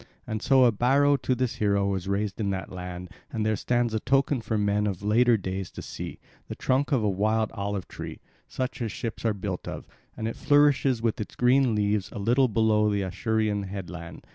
And so a barrow to this hero was raised in that land, and there stands a token for men of later days to see, the trunk of a wild olive tree, such as ships are built of; and it flourishes with its green leaves a little below the Acherusian headland.